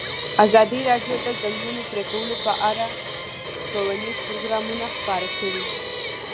ازادي راډیو د د ځنګلونو پرېکول په اړه ښوونیز پروګرامونه خپاره کړي.